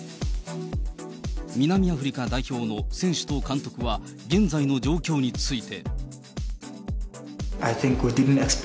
南アフリカ代表の選手と監督は現在の状況について。